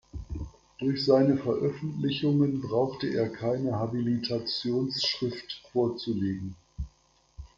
Durch seine Veröffentlichungen brauchte er keine Habilitationsschrift vorzulegen.